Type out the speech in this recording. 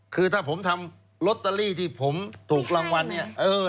คือถ้าผมทำลอตเตอรี่ที่ผมถูกรางวัลเนี่ย